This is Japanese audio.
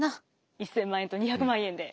１，０００万円と２００万円で。